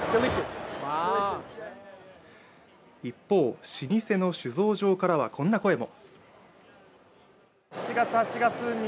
一方、老舗の酒造場からはこんな声も。